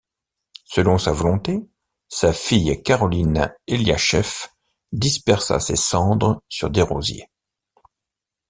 Selon sa volonté, sa fille Caroline Eliacheff dispersa ses cendres sur des rosiers.